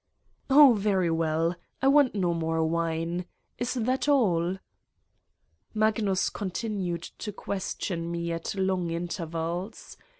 '' Oh, very well. I want no more wine. Is that all?" Magnus continued to question me at long in tervals.